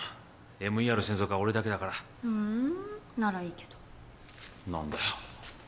ＭＥＲ専属は俺だけだからふんならいいけど何だよ